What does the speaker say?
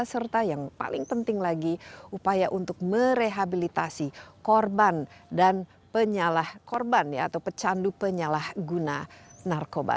serta yang paling penting lagi upaya untuk merehabilitasi korban dan penyalah korban atau pecandu penyalahguna narkoba